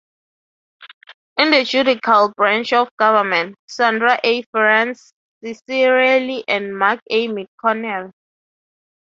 In the judicial branch of government, Sandra A. Ference Cicirelli and Mark A. McConnell.